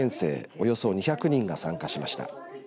およそ２００人が参加しました。